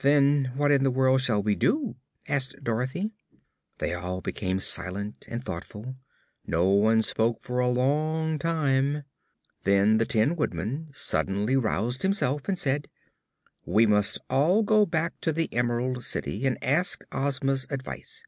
"Then what in the world shall we do?" asked Dorothy. They all became silent and thoughtful. No one spoke for a long time. Then the Tin Woodman suddenly roused himself and said: "We must all go back to the Emerald City and ask Ozma's advice.